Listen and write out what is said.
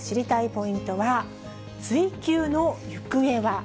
ポイントは、追及の行方は？